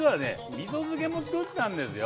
みそ漬けもつくったんですよ。